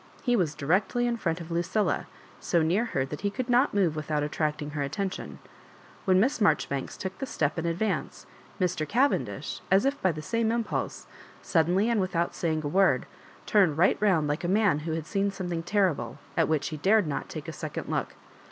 He was directly in front of Lucilla, so near her that he could not move without attracting her attention. When Miss Marjoribanks took that step in advance, Mr. Cavendish, as if by the same impulse, suddenly, and without saying a word, turned right round like a man who had seen something terrible, at which he dared not take a second look.